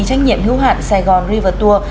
trách nhiệm hữu hạn sài gòn river tour